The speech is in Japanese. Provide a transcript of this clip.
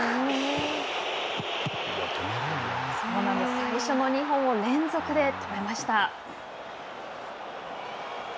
最初の２本を連続で止めました。